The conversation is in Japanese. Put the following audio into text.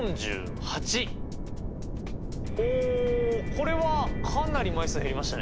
これはかなり枚数減りましたね。